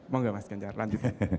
mau nggak mas genjar lanjut